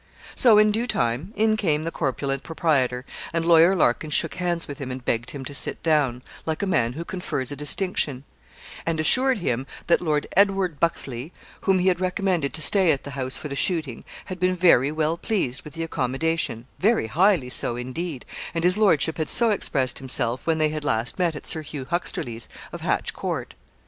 So, in due time, in came the corpulent proprietor, and Lawyer Larkin shook hands with him, and begged him to sit down, like a man who confers a distinction; and assured him that Lord Edward Buxleigh, whom he had recommended to stay at the house for the shooting, had been very well pleased with the accommodation very highly so indeed and his lordship had so expressed himself when they had last met at Sir Hugh Huxterley's, of Hatch Court.